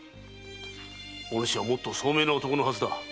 おぬしはもっと聡明な男のはずだ。